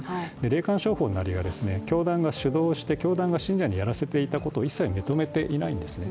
霊感商法なりは教団が主導して信者にやらせていたことを一切認めていないんですね。